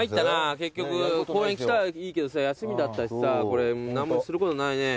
結局公園来たはいいけどさ休みだったしさこれ何もすることないね。